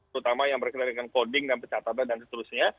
terutama yang berkaitan dengan coding dan pencatatan dan seterusnya